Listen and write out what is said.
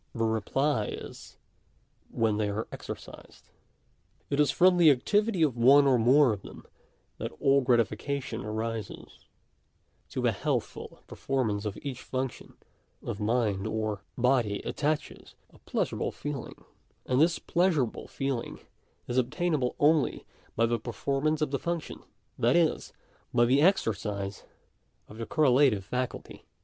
The reply is — when they are exercised. It is from the activity of one or more of them that all gratification arises. To the healthful performance of each function of mind or Digitized by VjOOQIC 76 DERIVATION OP A FIRST PRINCIPLE. body attaches a pleasurable feeling. And this pleasurable feeling is obtainable only by the performance of the function ; that is, by the exercise of the correlative faculty.